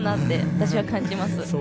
私は感じます。